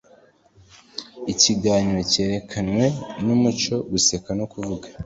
ikiganiro cyerekanwe numucyo, guseka no kuvuga